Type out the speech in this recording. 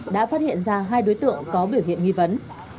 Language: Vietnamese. đã phát hiện ra hai đối tượng có biểu hiện nghi vấn